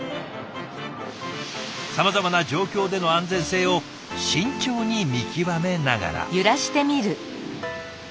さまざまな状況での安全性を慎重に見極めながら。